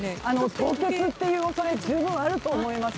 凍結という恐れ十分あると思います。